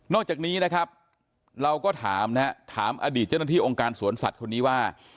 อกจากนี้นะครับเราก็ถามนะฮะถามอดีตเจ้าหน้าที่องค์การสวนสัตว์คนนี้ว่า